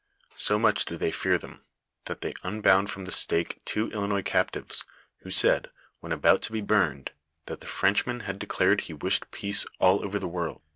So much do they fear them that they unbound from the stake two Ilinois captives, who said, when about to be burned, that the Frenchman had de clared he wished peace all over the world.